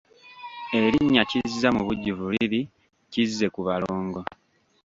Erinnya Kizza mubujjuvu liri Kizzekubalongo.